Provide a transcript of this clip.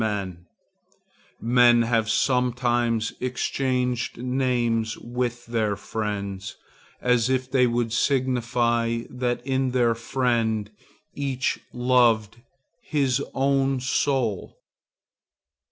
Men have sometimes exchanged names with their friends, as if they would signify that in their friend each loved his own soul.